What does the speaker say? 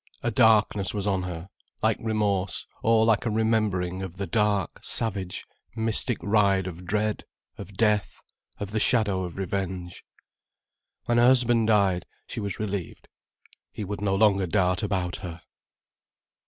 A darkness was on her, like remorse, or like a remembering of the dark, savage, mystic ride of dread, of death, of the shadow of revenge. When her husband died, she was relieved. He would no longer dart about her.